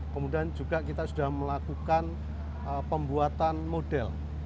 kemudian juga kita sudah melakukan pembuatan model